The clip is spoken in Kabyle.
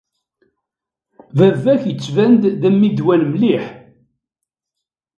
Baba-k yettban-d d ammidwan mliḥ.